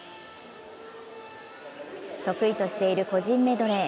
得意としている個人メドレー。